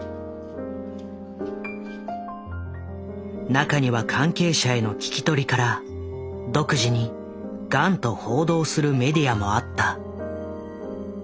中には関係者への聞き取りから独自にガンと報道するメディアもあった。